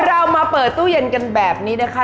เรามาเปิดตู้เย็นกันแบบนี้นะคะ